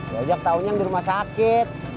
diajak taunya yang di rumah sakit